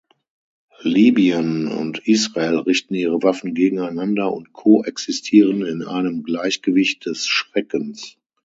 Libyen und Israel richten ihre Waffen gegeneinander und ko-existieren in einem Gleichgewicht des Schreckens.